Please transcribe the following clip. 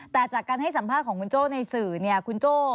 แต่จากสัมภาษณ์ของคุณโจ้ในสื่อนี้คุณโจ้